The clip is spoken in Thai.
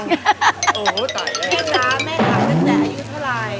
แม่น้ำแม่หาตั้งแต่อายุเท่าไหร่